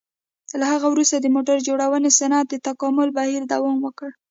له هغه وروسته د موټر جوړونې صنعت د تکامل بهیر دوام وکړ.